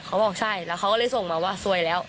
เขาบอกใช่แล้วเขาก็เลยส่งมาว่าซวยแล้ว